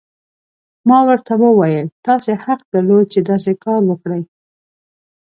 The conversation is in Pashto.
ما ورته وویل: تاسي حق درلود، چې داسې کار وکړي.